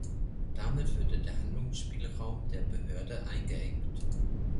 Damit würde der Handlungsspielraum der Behörde eingeengt.